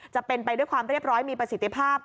จะเป็นไปด้วยความเรียบร้อยมีประสิทธิภาพ